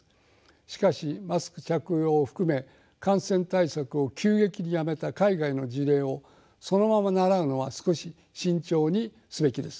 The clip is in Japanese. しかしマスク着用を含め感染対策を急激にやめた海外の事例をそのまま倣うのは少し慎重にすべきです。